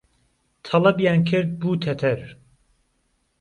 تهڵهبیان کرد بوو تهتەر